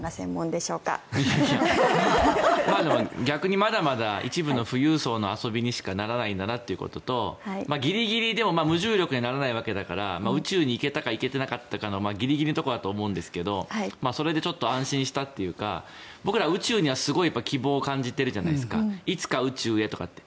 でも逆にまだまだ一部の富裕層の遊びにしかならないんだなということとギリギリ、でも無重力にはならないわけだから宇宙に行けたか行けてなかったかのギリギリのところだと思うんですがそれでちょっと安心したというか僕らは宇宙にすごく希望を感じているじゃないですかいつか宇宙へとかって。